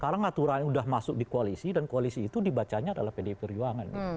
karena ngaturannya udah masuk di koalisi dan koalisi itu dibacanya adalah pdi perjuangan